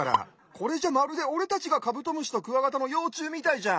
これじゃまるでおれたちがカブトムシとクワガタのようちゅうみたいじゃん。